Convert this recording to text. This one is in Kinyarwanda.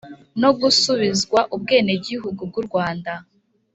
no gusubizwa ubwenegihugu bw’u rwanda.